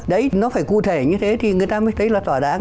đấy nó phải cụ thể như thế thì người ta mới thấy là thỏa đáng